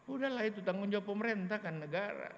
udahlah itu tanggung jawab pemerintah kan negara